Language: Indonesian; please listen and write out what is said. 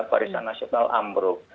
barisan nasional ambruk